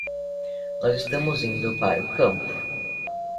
Nós estamos indo para o campo